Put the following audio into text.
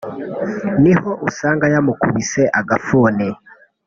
niho usanga yamukubise agafuni